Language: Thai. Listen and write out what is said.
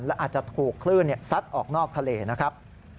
และอาจจะถูกคลื่นซัดออกนอกทะเลนะครับ